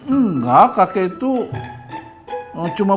enggak kakek itu cuma baca baca ya